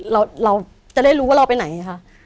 เราจะได้รู้ว่าเราไปไหนค่ะ